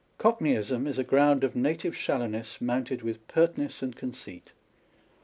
Cockneyism is a ground of native shallowness mounted with pertness and conceit.